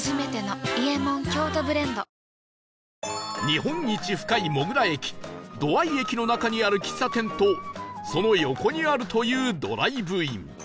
日本一深いモグラ駅土合駅の中にある喫茶店とその横にあるというドライブイン